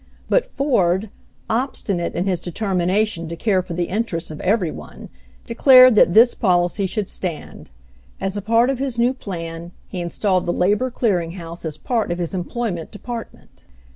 But Ford, obstinate in his determination to care for the interests of every one, declared that this policy should stand. As a part of his new plan, he installed the labor clearing house as part of his employment department.